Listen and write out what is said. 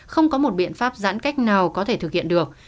không có một biện pháp giãn cách nào có thể thực hiện được